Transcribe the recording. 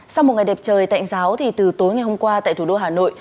sau một ngày đẹp trời tạnh giáo thì từ tối ngày hôm qua tại thủ đô hà nội